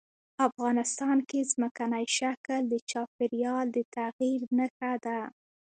افغانستان کې ځمکنی شکل د چاپېریال د تغیر نښه ده.